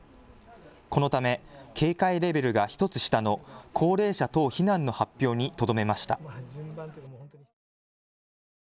このため警戒レベルが１つ下の高齢者等避難の発表にとどめました。